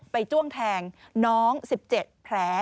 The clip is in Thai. จ้วงแทงน้อง๑๗แผล